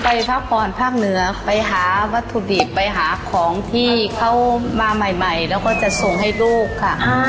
พักผ่อนภาคเหนือไปหาวัตถุดิบไปหาของที่เขามาใหม่แล้วก็จะส่งให้ลูกค่ะ